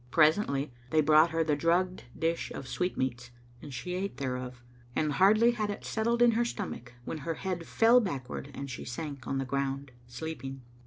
Presently they brought her the drugged dish of sweetmeats and she ate thereof; and hardly had it settled in her stomach when her head fell backward and she sank on the ground sleeping.